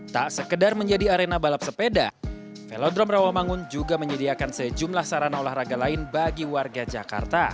tak sekedar menjadi arena balap sepeda velodrome rawamangun juga menyediakan sejumlah sarana olahraga lain bagi warga jakarta